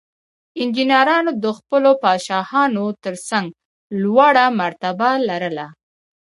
انجینرانو د خپلو پادشاهانو ترڅنګ لوړه مرتبه لرله.